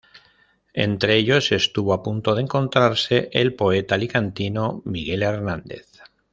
Entre ellos estuvo a punto de encontrarse el poeta alicantino Miguel Hernández.